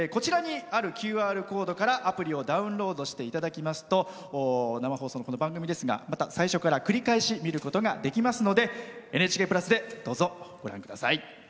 ＱＲコードからアプリをダウンロードしていただきますと生放送の、この番組ですがまた最初から繰り返し見ることができますので「ＮＨＫプラス」でどうぞご覧ください。